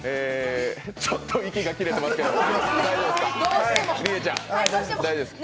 ちょっと息が切れておりますけど、りえちゃん大丈夫ですか？